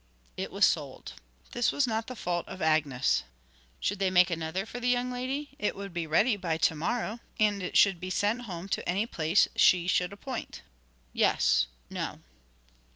It was sold. This was not the fault of Agnes. Should they make another for the young lady? It would be ready by to morrow, and it should be sent home to any place she should appoint. 'Yes no.'